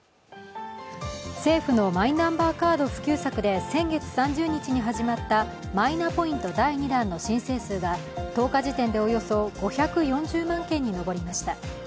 政府のマイナンバーカード普及策で先月始まったマイナポイント第２弾の申請数が１０日時点でおよそ５４０万件に上りました。